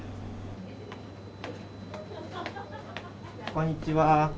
こんにちは。